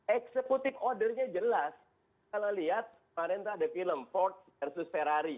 executive order nya jelas kalau lihat kemarin ada film ford versus ferrari